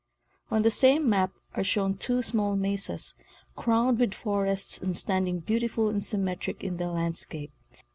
On this same map are shown two small mesas, crowned with forests and standing beautiful and symmetric in the landscape.